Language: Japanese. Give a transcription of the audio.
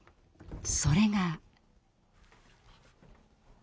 それが。